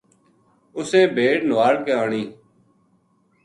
اُسیں بھیڈ نُہال کے آنی